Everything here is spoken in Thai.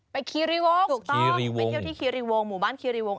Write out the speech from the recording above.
คีรีวงถูกต้องไปเที่ยวที่คีรีวงหมู่บ้านคีรีวง